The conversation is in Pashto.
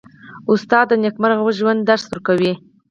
استاد د نېکمرغه ژوند درس ورکوي.